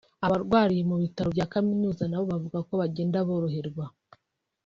Abarwariye mu bitaro bya kaminuza na bo bavuga ko bagenda boroherwa